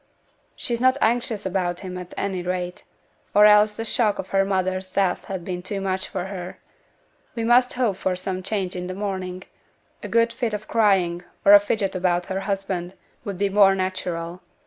'She's not anxious about him at any rate: or else the shock of her mother's death has been too much for her. We must hope for some change in the morning; a good fit of crying, or a fidget about her husband, would be more natural.